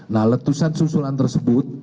nah letusan susulan tersebut